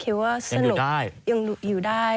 ยังอยู่ได้